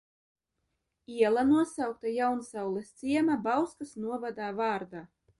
Iela nosaukta Jaunsaules – ciema Bauskas novadā – vārdā.